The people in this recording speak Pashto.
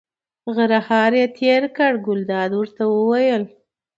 غرهار یې تېر کړ، ګلداد ورته وویل.